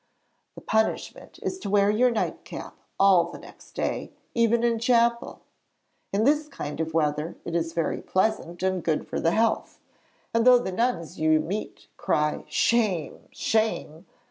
The punishment is to wear your nightcap all the next day, even in chapel. In this kind of weather it is very pleasant and good for the health, and though the nuns you meet cry 'Shame! shame!'